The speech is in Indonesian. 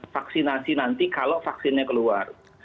vaksinasi nanti kalau vaksinnya keluar